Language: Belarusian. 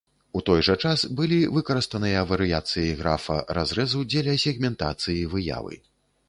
У той жа час, былі выкарыстаныя варыяцыі графа разрэзу дзеля сегментацыі выявы.